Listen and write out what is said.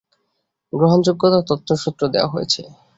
গ্রহণযোগ্য তথ্যসূত্র দেওয়া হয়েছে।